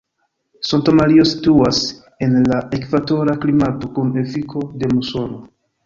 Santa Maria situas en la ekvatora klimato kun efiko de musono.